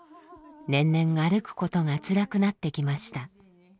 年々歩くことがつらくなってきました。